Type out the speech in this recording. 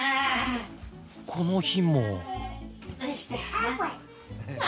この日も。